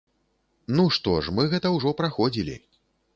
Ну што ж, мы гэта ўжо праходзілі.